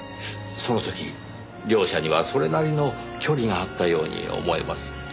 その時両者にはそれなりの距離があったように思えます。